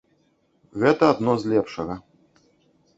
Гэта адно з лепшага.